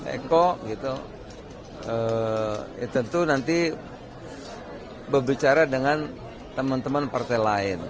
eko gitu ya tentu nanti berbicara dengan teman teman partai lain